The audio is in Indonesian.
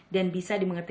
dan bisa dimengerti